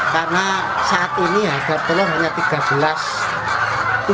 karena saat ini harga telur hanya rp tiga belas